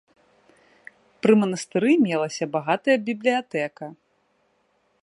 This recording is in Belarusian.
Пры манастыры мелася багатая бібліятэка.